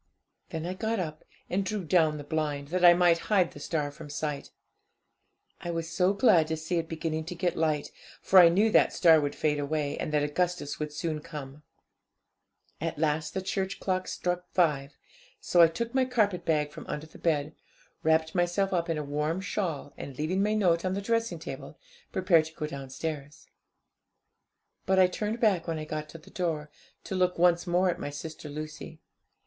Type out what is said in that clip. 'Then I got up, and drew down the blind, that I might hide the star from sight. I was so glad to see it beginning to get light, for I knew that the star would fade away, and that Augustus would soon come. 'At last the church clock struck five, so I took my carpetbag from under the bed, wrapped myself up in a warm shawl, and, leaving my note on the dressing table, prepared to go downstairs. But I turned back when I got to the door, to look once more at my sister Lucy.